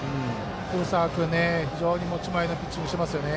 古澤君持ち前のピッチングしています。